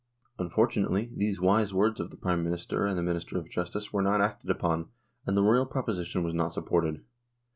Unfortunately, these wise words of the Prime Minister and the Minister of Justice were not acted upon, and the Royal proposition was not supported.